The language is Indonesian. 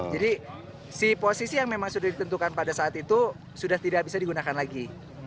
jadi si posisi yang memang sudah ditentukan pada saat itu sudah tidak bisa digunakan lagi